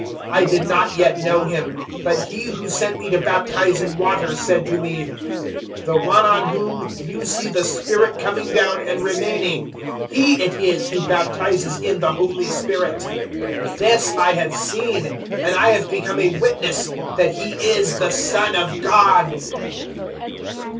001:033 I did not yet know Him, but He who sent me to baptize in water said to me, "`The One on whom you see the Spirit coming down, and remaining, He it is who baptizes in the Holy Spirit.' 001:034 "This I have seen, and I have become a witness that He is the Son of God."